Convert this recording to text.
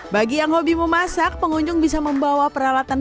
bagi yang hobi memasak pengunjung bisa membawa peralatan